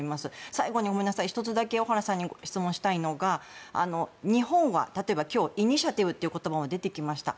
最後に１つだけ小原さんに質問をしたいのが日本は例えば今日イニシアチブという言葉も出てきました。